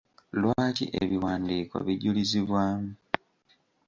Lwaki ebiwandiiko bijulizibwamu?